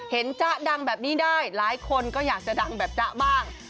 จ๊ะดังแบบนี้ได้หลายคนก็อยากจะดังแบบจ๊ะบ้าง